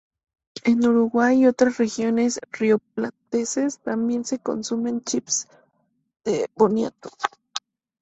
En Uruguay y otras regiones rioplatenses tambien se consumen "chips" de boniato.